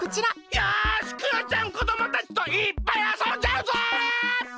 よしクヨちゃんこどもたちといっぱいあそんじゃうぞ！